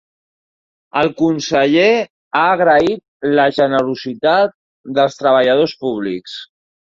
El conseller ha agraït la “generositat” dels treballadors públics.